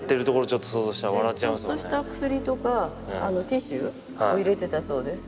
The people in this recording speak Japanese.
ちょっとした薬とかティッシュを入れてたそうです。